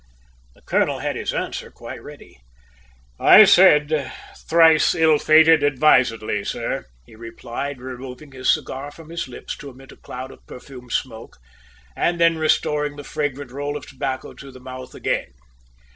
The colonel had his answer quite ready. "I said `thrice ill fated' advisedly, sir," he replied, removing his cigar from his lips to emit a cloud of perfumed smoke, and then restoring the fragrant roll of tobacco to the mouth again.